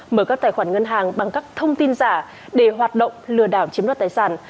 mở các tài khoản ngân hàng bằng các thông tin giả để hoạt động lừa đảo chiếm đoạt tài sản